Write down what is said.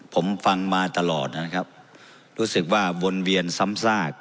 ผมฟังมาตลอดนะครับรู้สึกว่าวนเวียนซ้ำซาก